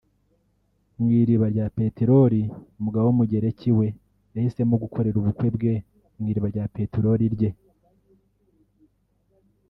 Mu iriba rya Peterori Umugabo w’umugereki we yahisemo gukorera ubukwe bwe mu iriba rya peterori rye